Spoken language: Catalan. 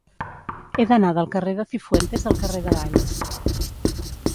He d'anar del carrer de Cifuentes al carrer de Valls.